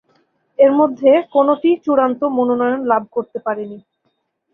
এর মধ্যে কোনটিই চূড়ান্ত মনোনয়ন লাভ করতে পারেনি।